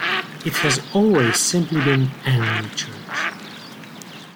It has always simply been "Earnley Church".